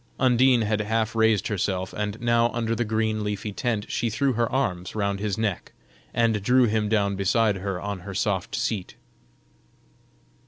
Undine had half raised herself, and now under the green leafy tent she threw her arms round his neck, and drew him down beside her on her soft seat.